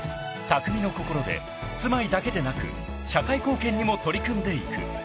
［匠の心で住まいだけでなく社会貢献にも取り組んでいく］